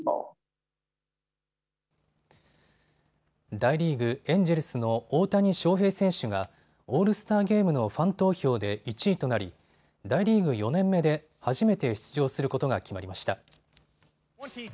大リーグ、エンジェルスの大谷翔平選手がオールスターゲームのファン投票で１位となり大リーグ４年目で初めて出場することが決まりました。